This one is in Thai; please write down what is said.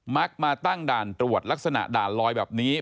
มักมาตั้งด่านตรวจลักษณะด่านลอยแบบนี้